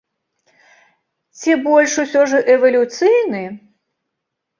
Ці больш усё ж эвалюцыйны?